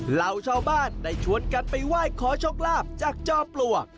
เหล่าชาวบ้านได้ชวนกันไปไหว้ขอโชคลาภจากจอมปลวก